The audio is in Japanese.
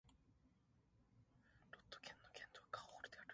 ロット県の県都はカオールである